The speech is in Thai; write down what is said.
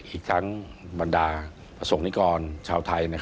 อีกทั้งบรรดาประสงค์นิกรชาวไทย